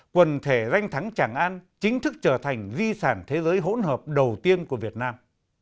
quần thể danh thắng tràng an chính thức trở thành di sản thế giới hỗn hợp đầu tiên của việt nam